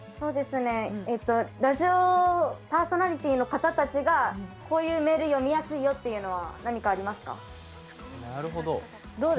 ラジオパーソナリティーの方たちがこういうメール読みやすいよっていうのは何かありますか？